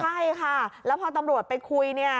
ใช่ค่ะแล้วพอตำรวจไปคุยเนี่ย